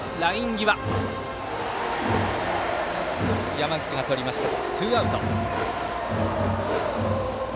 山口がとりましたツーアウト。